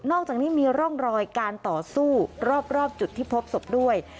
อกจากนี้มีร่องรอยการต่อสู้รอบจุดที่พบศพด้วย